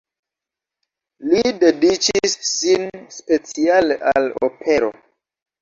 Li dediĉis sin speciale al opero.